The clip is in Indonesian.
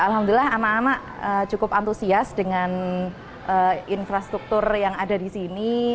alhamdulillah anak anak cukup antusias dengan infrastruktur yang ada di sini